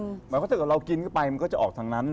หมายความว่าถ้าเกิดเรากินเข้าไปมันก็จะออกทางนั้น